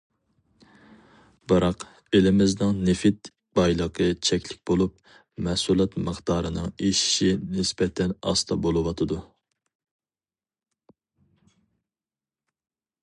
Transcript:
بىراق ئېلىمىزنىڭ نېفىت بايلىقى چەكلىك بولۇپ، مەھسۇلات مىقدارىنىڭ ئېشىشى نىسبەتەن ئاستا بولۇۋاتىدۇ.